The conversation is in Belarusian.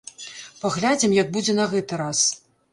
Паглядзім як будзе на гэты раз.